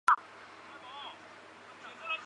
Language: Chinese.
教区包括亚马孙大区南部五省。